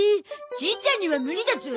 じいちゃんには無理だゾ。